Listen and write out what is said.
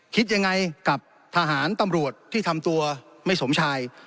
คิดยังไงกับทหารตำรวจที่ทำตัวไม่สมชาย